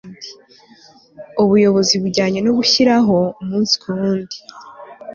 ubuyobozi bujyanye no gushyiraho, umunsi ku wundi